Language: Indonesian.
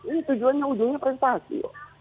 ini tujuannya prestasi